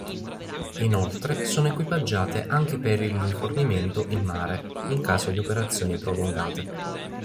Inoltre, sono equipaggiate anche per il rifornimento in mare, in caso di operazioni prolungate.